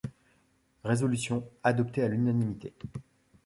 Résolution adoptée à l'unanimité.